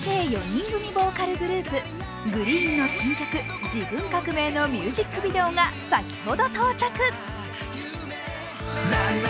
４人組ボーカルグループＧＲｅｅｅｅＮの新曲「自分革命」のミュージックビデオが先ほど到着。